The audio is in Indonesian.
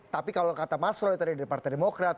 tapi kalau kata mas roy tadi dari partai demokrat